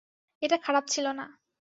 এটা খারাপ ছিল না।